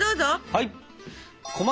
はい！